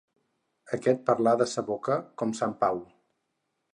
Aquest parla per sa boca, com sant Pau.